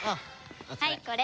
はいこれ。